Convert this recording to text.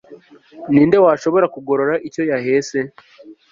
ni nde washobora kugorora icyo yahese